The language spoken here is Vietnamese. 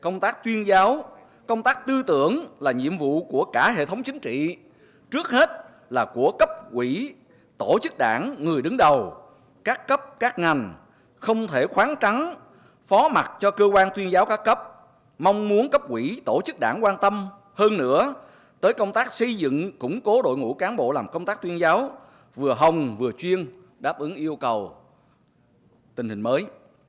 công tác tuyên giáo công tác tuyên giáo là nhiệm vụ của cả hệ thống chính trị trước hết là của cấp quỷ tổ chức đảng người đứng đầu các cấp các ngành không thể khoáng trắng phó mặt cho cơ quan tuyên giáo các cấp mong muốn cấp quỷ tổ chức đảng quan tâm hơn nữa tới công tác xây dựng củng cố đội ngũ cán bộ làm công tác tuyên giáo vừa hồng vừa chuyên đáp ứng yêu cầu tình hình mới